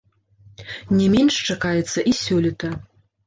Не менш чакаецца і сёлета.